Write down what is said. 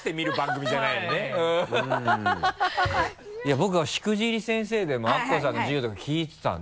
いや僕は「しくじり先生」でもアッコさんの授業聞いてたんで。